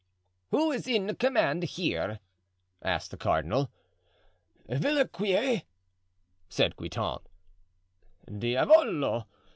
"Who is in command here?" asked the cardinal. "Villequier," said Guitant. "Diavolo!